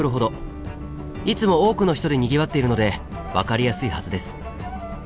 いつも多くの人でにぎわっているので分かりやすいはずです。